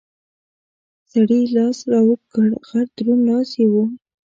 سړي لاس را اوږد کړ، غټ دروند لاس یې و.